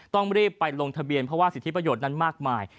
ต้องรีบไปลงทะเบียนเพราะว่าสิทธิประโยชน์นั้นมากมาย